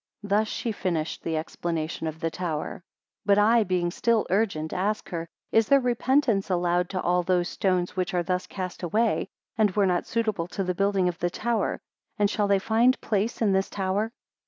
77 Thus she finished the explanation of the tower. 78 But I being still urgent, asked her, Is there repentance allowed to all those stones which are thus cast away, and were not suitable to the building of the tower; and shall they find place in this tower?